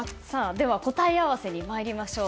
では答え合わせに参りましょう。